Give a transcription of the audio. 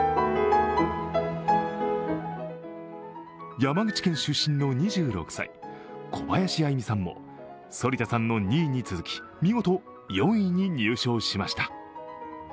山口県出身の２６歳、小林愛美さんも反田さんの２位に続き、見事４位に入賞しました。